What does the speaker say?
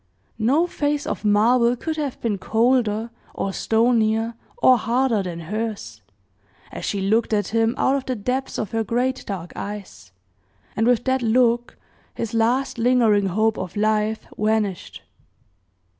No face of marble could have been colder, or stonier, or harder, than hers, as she looked at him out of the depths of her great dark eyes; and with that look, his last lingering hope of life vanished.